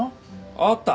あった！